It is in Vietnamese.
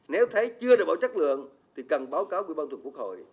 nếu thấy chưa đảm bảo chất lượng thì cần báo cáo của ban thuật quốc hội